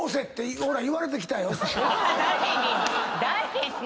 誰に？